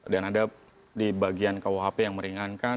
dan ada di bagian rkuhp yang meringankan